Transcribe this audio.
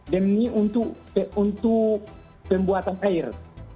dam ini untuk pembuatan air